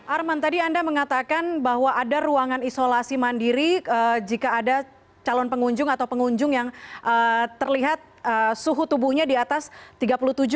arman tadi anda mengatakan bahwa ada ruangan isolasi mandiri jika ada calon pengunjung atau pengunjung yang terlihat suhu tubuhnya di atas tiga puluh tujuh tiga atau tiga puluh tujuh lima derajat celcius